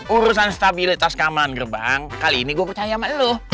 urusan stabilitas kaman gerbang kali ini gua percaya sama loe